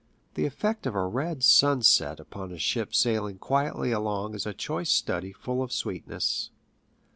The effect of a red sunset upon a ship sailing quietly along is a choice study full of sweetness.